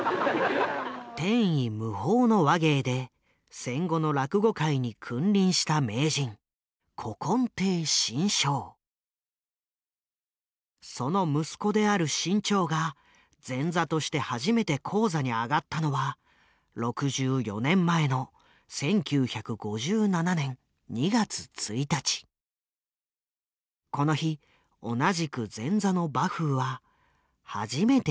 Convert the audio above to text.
天衣無縫の話芸で戦後の落語界に君臨した名人その息子である志ん朝が前座として初めて高座に上がったのは６４年前のこの日同じく前座の馬風は初めて志ん朝と出会った。